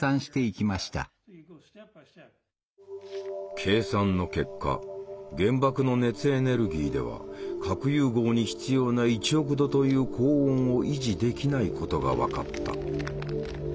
計算の結果原爆の熱エネルギーでは核融合に必要な１億度という高温を維持できないことが分かった。